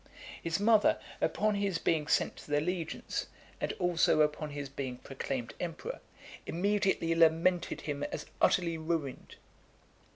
His mother, upon his being sent to the legions , and also upon his being proclaimed emperor, immediately lamented him as utterly ruined.